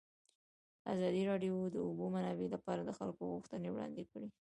ازادي راډیو د د اوبو منابع لپاره د خلکو غوښتنې وړاندې کړي.